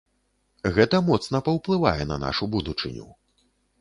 Гэта моцна паўплывае на нашу будучыню.